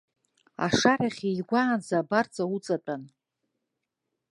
Ашарахь еигәаанӡа абарҵа уҵатәан.